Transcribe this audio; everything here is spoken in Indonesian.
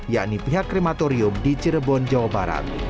yakni pihak krematorium di cirebon jawa barat